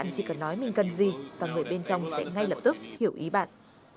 bạn chỉ cần nói mình cần gì và người bên trong sẽ ngay lập tức hiểu ý bạn